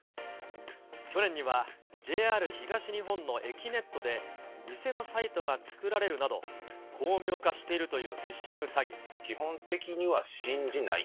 去年にはＪＲ東日本のえきねっとで、偽のサイトが作られるなど、巧妙化しているというフィッシン基本的には信じない。